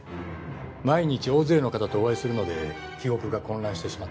毎日大勢の方とお会いするので記憶が混乱してしまって。